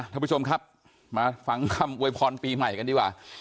ท่านผู้ชมครับมาฟังคำอวยพรปีใหม่กันดีกว่า